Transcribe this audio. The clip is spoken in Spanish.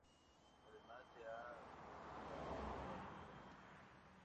Además, se ha naturalizado en partes de África.